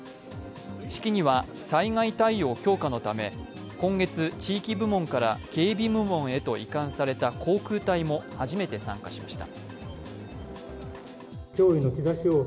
式には災害対応強化のため今月、地域部門から警備部門へと移管された航空隊も初めて参加しました。